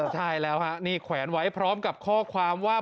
ใช่แล้วฮะนี่แขวนไว้พร้อมกับข้อความว่า